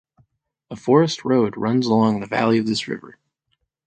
A forest road runs along the valley of this river.